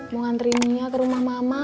mau ngantri mia ke rumah mama